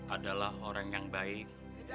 adalah orang yang baik